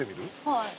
はい。